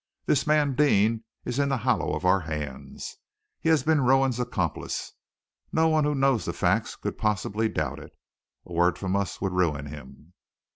This man Deane is in the hollow of our hands. He has been Rowan's accomplice. No one who knows the facts could possibly doubt it. A word from us would ruin him."